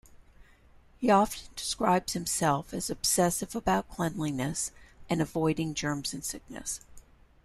He often describes himself as obsessive about cleanliness, and avoiding germs and sickness.